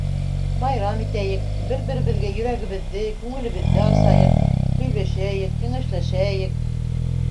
Байрам итәйек, бер-беребеҙгә йөрәгебеҙҙе, күңелебеҙҙе асайыҡ, һөйләшәйек, кәңәшләшәйек.